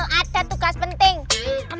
kita tidak tips dengar